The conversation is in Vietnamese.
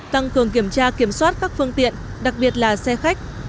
tăng cường kiểm tra kiểm soát các phương tiện đặc biệt là xe khách